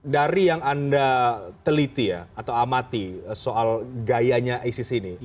dari yang anda teliti ya atau amati soal gayanya isis ini